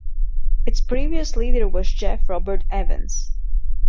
Its previous leader was Jeff Robert Evans.